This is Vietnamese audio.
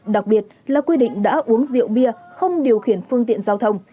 đặc biệt là quy định đã uống rượu bia không điều khiển phương tiện giao thông